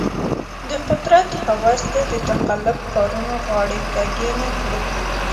د قدرت هوس دې د تقلب کارانو غاړې کږې نه کړي.